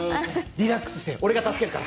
リラックスして、俺が助けるから。